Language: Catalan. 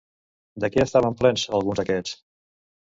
De què estaven plens alguns d'aquests?